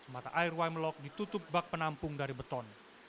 mata air wimelock ditutup bak penampung dari beton